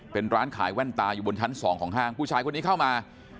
เป็นร้านขายแว่นตาอยู่บนชั้น๒ของห้างผู้ชายคนนี้เข้ามา